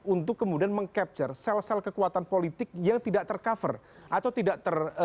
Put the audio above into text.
untuk kemudian mengcapture sel sel kekuatan politik dan politik yang berkaitan dengan jaringan relawan